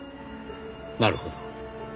なるほど。